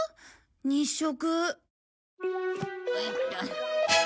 日食。